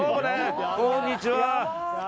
こんにちは！